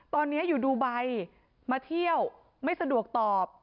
ตอนนี้อยู่ดูไบมาเที่ยวไม่สะดวกตอบ